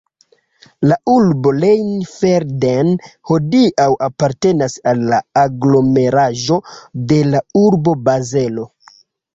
La urbo Rheinfelden hodiaŭ apartenas al la aglomeraĵo de la urbo Bazelo.